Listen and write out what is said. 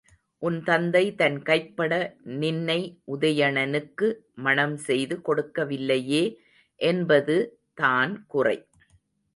உன் தந்தை தன் கைப்பட நின்னை உதயணனுக்கு மணம் செய்து கொடுக்கவில்லையே என்பது தான் குறை.